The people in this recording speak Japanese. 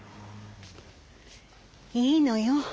いいのよ。